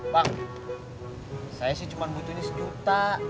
bang saya sih cuma butuh ini sejuta